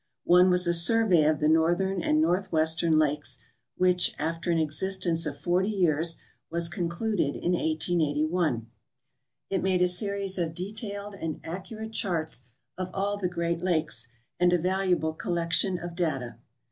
One was a surve}' of the northern and northwestern lakes, which, after an existence of forty 3'ears, was concluded in 1881. It made a series of de tailed and accurate charts of all the Great Lakes, and a valuable collection of data.